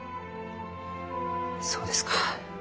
そうですか。